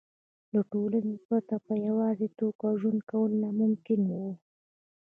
له ټولنې پرته په یوازې توګه ژوند کول ناممکن وو.